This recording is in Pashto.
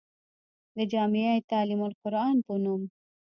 د جامعه تعليم القرآن پۀ نوم